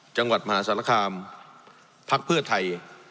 จังหวัดมหาสารคามพักเพื่อไทย